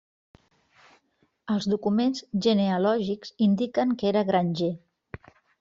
Els documents genealògics indiquen que era granger.